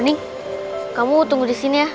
ning kamu tunggu di sini ya